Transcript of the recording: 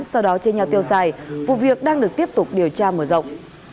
sau đó chia nhau tiêu xài vụ việc đang được tiếp tục điều tra mở rộng